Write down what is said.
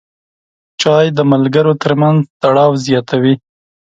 چای د ملګرو ترمنځ تړاو زیاتوي.